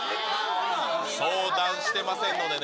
相談してませんのでね。